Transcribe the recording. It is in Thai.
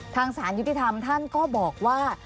สารยุติธรรมท่านก็บอกว่า